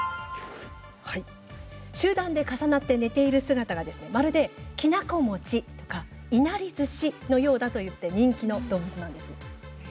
集団で重なって寝ている姿がまるで、きな粉餅とかいなりずしのようだと人気な動物なんです。